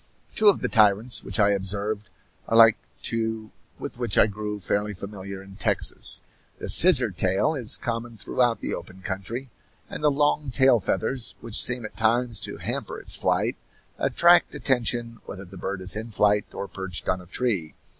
Two of the tyrants which I observed are like two with which I grew fairly familiar in Texas. The scissor tail is common throughout the open country, and the long tail feathers, which seem at times to hamper its flight, attract attention whether the bird is in flight or perched on a tree.